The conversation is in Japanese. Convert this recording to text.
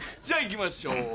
じゃあ行きましょう